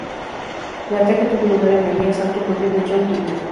El ataque tuvo lugar en el día santo judío de Yom Kippur.